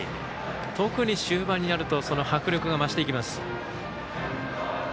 特に終盤になるとその迫力が増していきます。